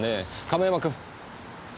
亀山君。